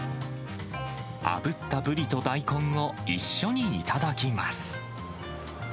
あぶったブリと大根を一緒に頂きます。